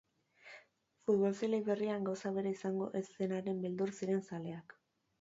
Futbol-zelai berrian gauza bera izango ez zenaren beldur ziren zaleak.